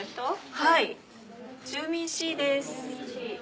・はい住民Ｃです。